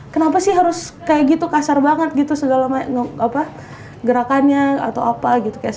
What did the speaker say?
kenapa sih harus kayak gitu kasar banget gitu segala gerakannya atau apa gitu